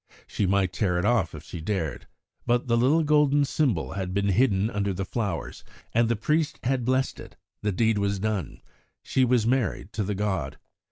She might tear it off if she dared, but the little golden symbol had been hidden under the flowers, and the priest had blessed it; the deed was done she was married to the god.